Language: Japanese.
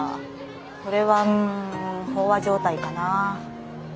それはうん飽和状態かな。